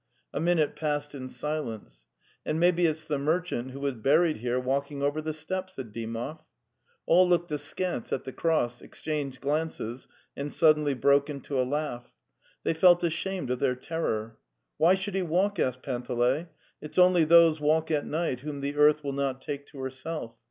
A minute passed in silence. '"And maybe it's the merchant who was buried here walking over the steppe," said Dymov. All looked askance at the cross, exchanged glances and suddenly broke into a laugh. They felt ashamed of their terror. '" Why should he walk?" asked Panteley. '" It's only those walk at night whom the earth will not take to herself.